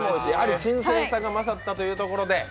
新鮮さが勝ったというところで。